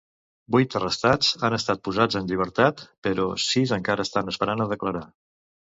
Vuit arrestats han estat posats en llibertat, però sis encara estan esperant a declarar.